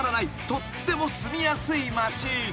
とっても住みやすい町］